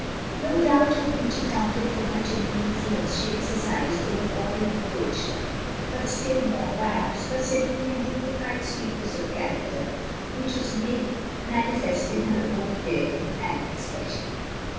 No doubt her beauty counted for much in the influence she exercised over all who approached her; but still more, perhaps, her serene and digni fied sweetness of character, which was made mani fest in her whole bearing and expression.